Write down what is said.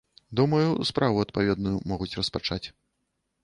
Думаю, справу адпаведную могуць распачаць.